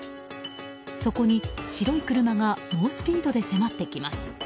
そこに白い車が猛スピードで迫ってきます。